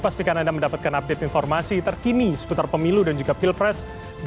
pastikan anda mendapatkan update informasi terkini seputar pemilu dan juga pilpres dua ribu sembilan belas